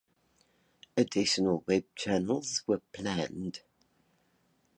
Additional web channels were planned.